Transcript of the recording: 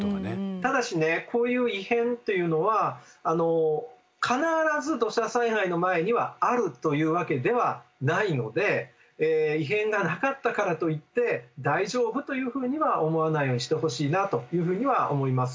ただしねこういう異変というのは必ず土砂災害の前にはあるというわけではないので異変がなかったからといって大丈夫というふうには思わないようにしてほしいなというふうには思います。